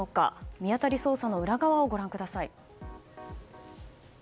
見当たり捜査の裏側をご覧ください。